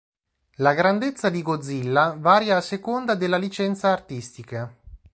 La grandezza di Godzilla varia a seconda della licenza artistica.